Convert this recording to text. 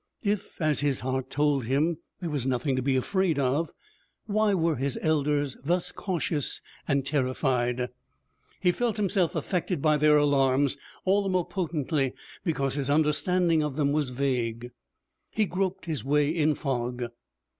If, as his heart told him, there was nothing to be afraid of, why were his elders thus cautious and terrified? He felt himself affected by their alarms all the more potently because his understanding of them was vague. He groped his way in fog.